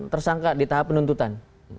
tersangka di tahap penuntutan